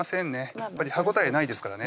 やっぱり歯応えないですからね